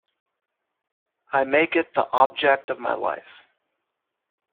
I make it the object of my life.